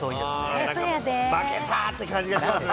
負けたっていう感じがしますね。